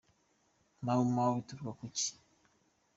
Mau Mau bituruka ku ki ?.